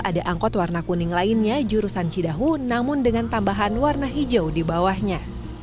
ada angkot warna kuning lainnya jurusan cidahu namun dengan tambahan warna hijau di bawahnya